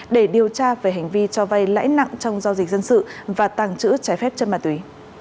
để điều tra về hành vi cho vay lãi nặng trong giao dịch dân sự và tàng trữ trái phép chân bà tùy